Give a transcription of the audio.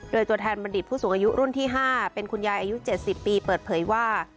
โดยตัวแทนบัณฑิตผู้สูงอายุรุ่นที่๕เป็นคุณยายอายุ๗๐ปีเปิดเผยว่า